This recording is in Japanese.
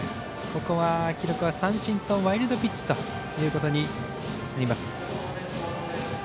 ここは記録は三振とワイルドピッチということになります。